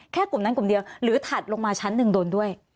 กลุ่มนั้นกลุ่มเดียวหรือถัดลงมาชั้นหนึ่งโดนด้วย